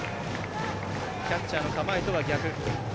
キャッチャーの構えとは逆。